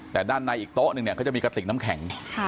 แต่ด้านในอีกโต๊ะนึงเนี่ยเขาจะมีกระติกน้ำแข็ง